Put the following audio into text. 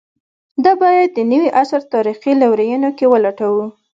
دا باید د نوي عصر تاریخي لورینو کې ولټوو.